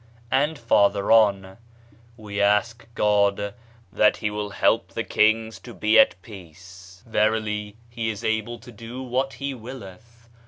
And farther on : "We ask God that He will help the Kings to be at peace : verily He is able to do what He willeth.